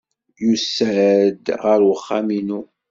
Yusa-d ɣer uxxam-inu.